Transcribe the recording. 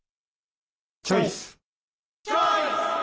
チョイス！